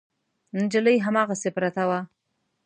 نجلۍ هماغسې پرته وه.